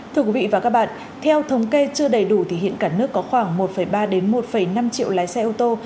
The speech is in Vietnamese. thưa quý vị và các bạn theo thống kê chưa đầy đủ thì hiện cả nước có khoảng một ba một năm triệu lái xe ô tô